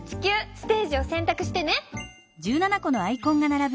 ステージをせんたくしてね。